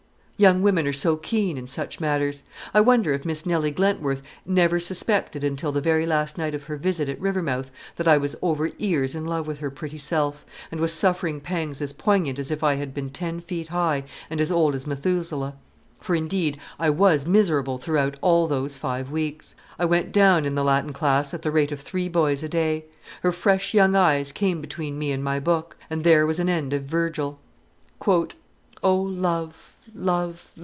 Young women are so keen in such matters. I wonder if Miss Nelly Glentworth never suspected until the very last night of her visit at Rivermouth that I was over ears in love with her pretty self, and was suffering pangs as poignant as if I had been ten feet high and as old as Methuselah? For, indeed, I was miserable throughout all those five weeks. I went down in the Latin class at the rate of three boys a day. Her fresh young eyes came between me and my book, and there was an end of Virgil. "O love, love, love!